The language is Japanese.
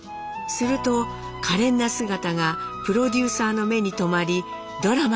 するとかれんな姿がプロデューサーの目に留まりドラマに出演。